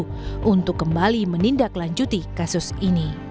untuk kembali menindaklanjuti kasus ini